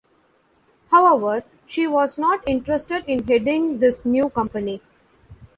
However, she was not interested in heading this new company.